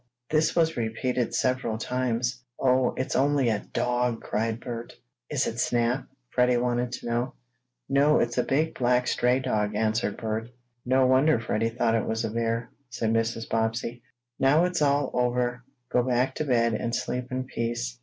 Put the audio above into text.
This was repeated several times. "Oh, it's only a dog!" cried Bert. "Is it Snap?" Freddie wanted to know. "No, it's a big black stray dog," answered Bert. "No wonder Freddie thought it was a bear," said Mrs. Bobbsey. "Now it's all over, go back to bed, and sleep in peace."